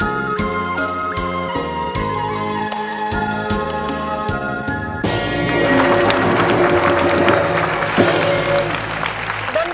เพลงนี้มีมูลค่า๖๐๐๐๐บาทนะครับ